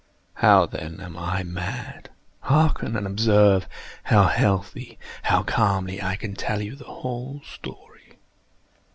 How, then, am I mad? Hearken! and observe how healthily—how calmly I can tell you the whole story.